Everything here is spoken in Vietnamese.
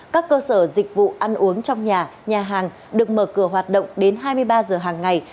các cơ sở dịch vụ ăn uống trong nhà nhà hàng được mở cửa hoạt động đến hai mươi ba giờ hàng ngày